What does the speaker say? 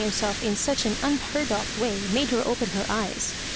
self in such an unheard of way made her open her ejea.